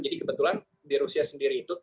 jadi kebetulan di rusia sendiri itu